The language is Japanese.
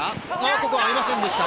ここは合いませんでした。